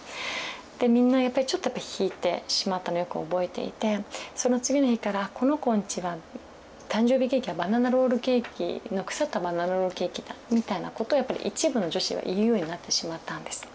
でみんなやっぱりちょっと引いてしまったのをよく覚えていてその次の日から「この子んちは誕生日ケーキはバナナロールケーキの腐ったバナナロールケーキだ」みたいなことを一部の女子は言うようになってしまったんです。